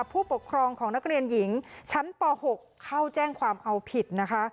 ผู้ปกครองของนักเรียนหญิงชั้นป๖เข้าแจ้งความเอาผิดนะคะ